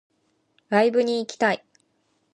ライブに行きたい